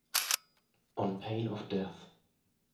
On pain of death